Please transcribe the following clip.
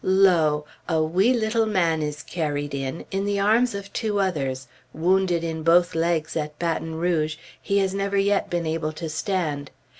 Lo! a wee little man is carried in, in the arms of two others, wounded in both legs at Baton Rouge, he has never yet been able to stand....